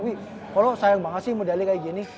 wi kalau sayang banget sih medali kayak gini